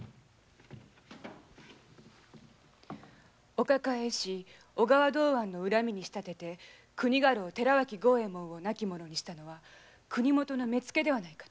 お抱え医師・小川道庵の恨みに仕立て国家老・寺脇郷右衛門を亡きものにしたのは国元の「目付」かと。